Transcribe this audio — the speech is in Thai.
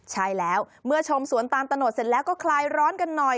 ใช่แล้วเมื่อชมสวนตามตะโนดเสร็จแล้วก็คลายร้อนกันหน่อย